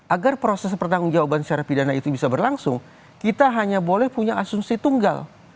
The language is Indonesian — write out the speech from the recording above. agar proses pertanggung jawaban secara pidana itu bisa berlangsung kita hanya boleh punya asumsi tunggal